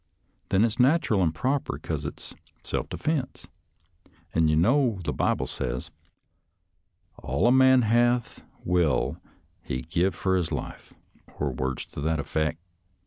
Then it's natteral an' proper, 'cause it's self defense, an' you know the Bible says, ' All a man hath will he give fur his life,' or words to that effeck.